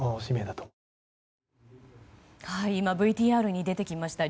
今、ＶＴＲに出てきました